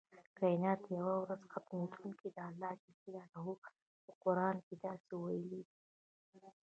کائنات یوه ورځ ختمیدونکي دي الله ج په قران کې داسې ویلي دی.